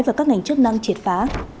và các ngành chức năng triệt phá